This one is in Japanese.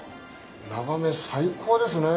眺め最高ですね。